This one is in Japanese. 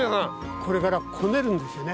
これからこねるんですよね。